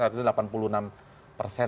artinya delapan puluh enam persen